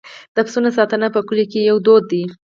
د پسونو ساتنه په کلیو کې یو دود دی.